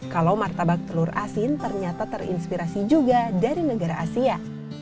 kalau martabak telur asin ternyata terinspirasi juga dari negara asia